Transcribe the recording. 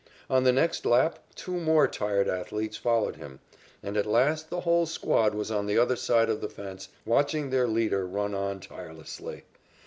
On the next lap two more tired athletes followed him, and at last the whole squad was on the other side of the fence, watching their leader run on tirelessly.